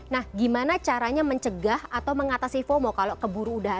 nah gimana caranya mencegah atau mengatasi fomo kalau keburu udara